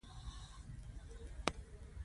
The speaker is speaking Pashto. له ډېره درده يې خپل ټيکری په خوله ننوېستی و.